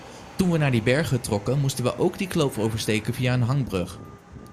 Toen we naar die berghut trokken moesten we ook die kloof oversteken via een hangbrug.